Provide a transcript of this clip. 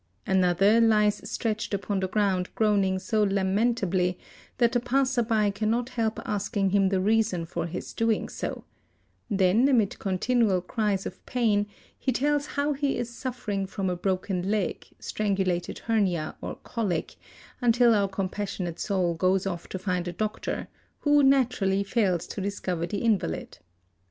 Another lies stretched upon the ground groaning so lamentably that the passer by cannot help asking 5K A, TAD ABTA SA bh Nh LTH Hn Pte eee ot ee Se oe ee him the reason for his doing so; then amid continual cries of pain he tells how he is suffering from a broken leg, strangulated hernia, or colic, until our compassionate soul goes off to find a doctor, who naturally | fails to discover the invalid.